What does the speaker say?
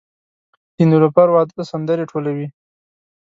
د نیلوفر واده ته سندرې ټولوي